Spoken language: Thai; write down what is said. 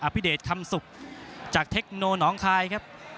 พิเดชคำสุกจากเทคโนหนองคายครับ